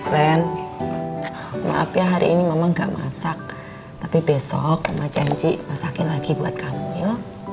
ren maaf ya hari ini memang gak masak tapi besok rumah janji masakin lagi buat kamu